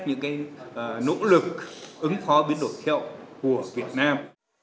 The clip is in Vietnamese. những cái nỗ lực ứng phó biến đổi thiệu của việt nam